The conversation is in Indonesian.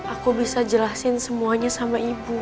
aku bisa jelasin semuanya sama ibu